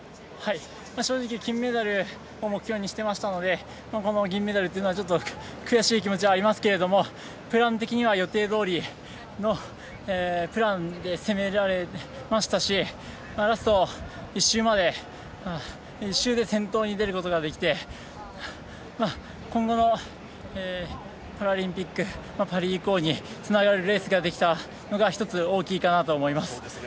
正直、金メダルを目標にしていましたのでこの銀メダルというのはちょっと悔しい気持ちはありますけれどもプラン的には予定どおりのプランで攻められましたしラスト１周で先頭に出ることができて今後のパラリンピックパリ以降につながるレースができたのが１つ、大きいかなと思います。